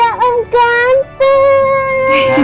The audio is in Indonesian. ada om ganteng